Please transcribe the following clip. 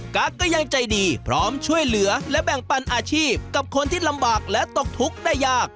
ก็ยังใจดีพร้อมช่วยเหลือและแบ่งปันอาชีพกับคนที่ลำบากและตกทุกข์ได้ยาก